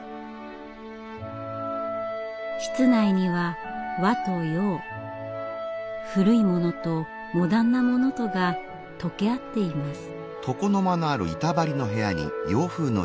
室内には和と洋古いものとモダンなものとが溶け合っています。